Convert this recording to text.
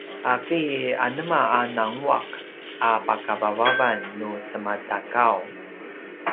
’aki anema a nangua’ a pakavavavan nu semaTakaw?